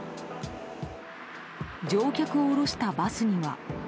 乗客を降ろしたバスには。